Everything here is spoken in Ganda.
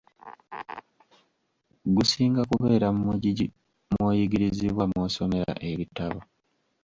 Gusinga kubeera mu mugigi mw'oyigiririzibwa, mw'osomera ebitabo.